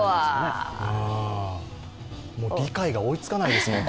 理解が追いつかないですもん